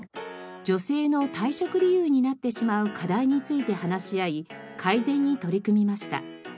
女性の退職理由になってしまう課題について話し合い改善に取り組みました。